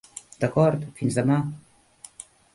D'acord, fins demà.